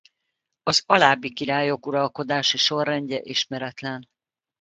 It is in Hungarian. Az alábbi királyok uralkodási sorrendje ismeretlen.